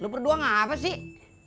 lu berdua ngapasih